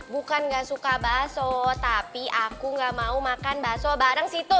bukan nggak suka baso tapi aku gak mau makan bakso bareng situ